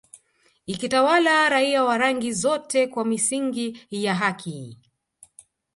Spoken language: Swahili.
ikitawala raia wa rangi zote kwa misingi ya haki